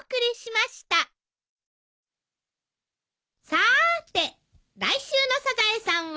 さーて来週の『サザエさん』は？